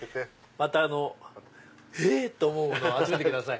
またえっ⁉と思うもの集めてください。